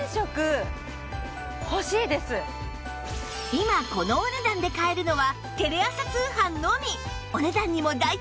今このお値段で買えるのはテレ朝通販のみ！